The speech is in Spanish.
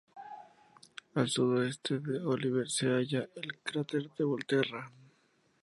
Al sudoeste de Olivier se halla el cráter Volterra.